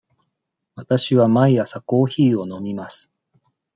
わたしは毎朝コーヒーを飲みます。